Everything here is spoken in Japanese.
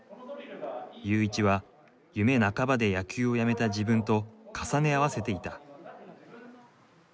ユーイチは夢半ばで野球をやめた自分と重ね合わせていた。